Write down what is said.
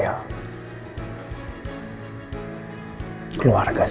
yang lebih luar biasa